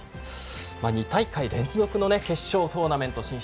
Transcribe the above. ２大会連続の決勝トーナメント進出。